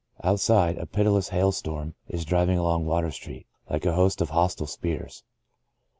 Out side, a pitiless hail storm is driving along Water Street, like a host of hostile spears.